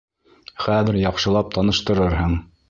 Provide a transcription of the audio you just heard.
Хәҙер яҡшылап таныштырырһың.